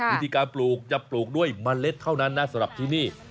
วิธีการปลูกจะปลูกด้วยเมล็ดเท่านั้นนะสำหรับที่นี่